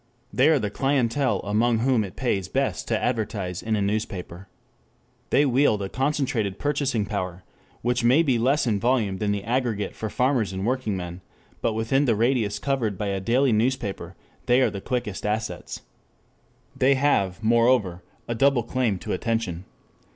They are the clientele among whom it pays best to advertise in a newspaper. They wield a concentrated purchasing power, which may be less in volume than the aggregate for farmers and workingmen; but within the radius covered by a daily newspaper they are the quickest assets. 4 They have, moreover, a double claim to attention.